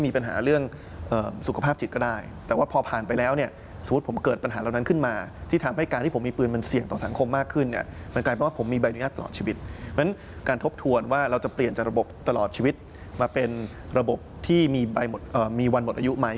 เพราะฉะนั้นการทบทวนว่าเราจะเปลี่ยนจากระบบตลอดชีวิตมาเป็นระบบที่มีวันหมดอายุไหม